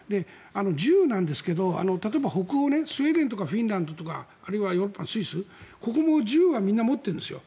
銃なんですけど、例えば北欧スウェーデン、フィンランドあるいはヨーロッパのスイスここも銃はみんな持ってるんですよ。